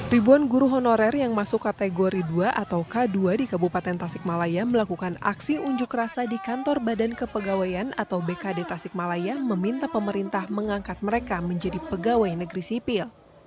ribuan guru honorer yang masuk kategori dua atau k dua di kabupaten tasikmalaya melakukan aksi unjuk rasa di kantor badan kepegawaian atau bkd tasikmalaya meminta pemerintah mengangkat mereka menjadi pegawai negeri sipil